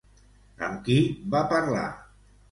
Amb qui va parlar?